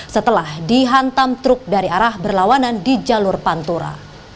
setelah dihantam truk dari arah berlawanan di jalur pantura